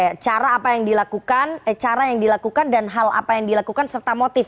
oke cara apa yang dilakukan cara yang dilakukan dan hal apa yang dilakukan serta motif